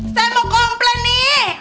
saya mau komplain nih